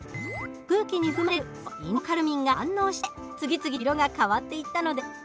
空気に含まれる酸素とインジゴカルミンが反応して次々と色が変わっていったのです。